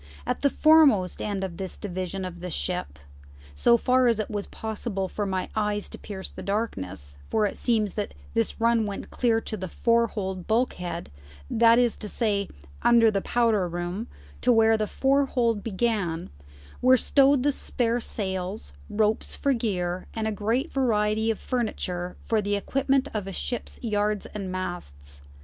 At the foremost end of this division of the ship, so far as it was possible for my eyes to pierce the darkness for it seems that this run went clear to the fore hold bulkhead, that is to say, under the powder room, to where the fore hold began were stowed the spare sails, ropes for gear, and a great variety of furniture for the equipment of a ship's yards and masts.